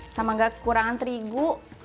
sama enggak kekurangan terigu